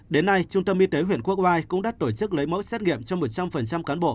đến nay trung tâm y tế huyện quốc oai cũng đã tổ chức lấy mẫu xét nghiệm cho một trăm linh cán bộ